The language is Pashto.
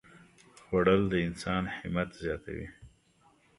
خوړل د انسان همت زیاتوي